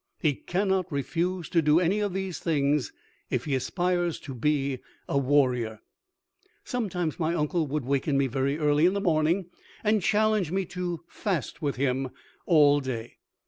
He cannot refuse to do any of these things if he aspires to be a warrior. Sometimes my uncle would waken me very early in the morning and challenge me to fast with him all day.